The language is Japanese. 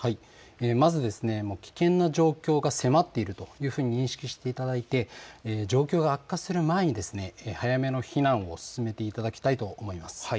まず危険な状況が迫っているというふうに認識していただいて状況が悪化する前に早めの避難を進めていただきたいと思います。